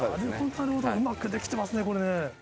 うまくできてますね。